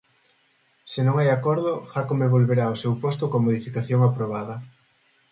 Se non hai acordo, Jácome volverá ao seu posto coa modificación aprobada.